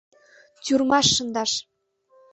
Тӱрмаш шындаш!